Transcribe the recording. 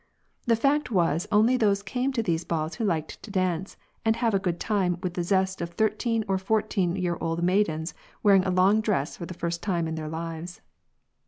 The fact was only those ' came to these balls who liked to dance and have a good time with the zest of thirteen or fourteen year old maidens wearing a long dress for the first time in their lives.